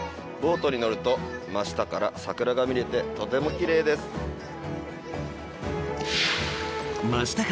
ボートに乗ると真下から桜が見れてとても奇麗です。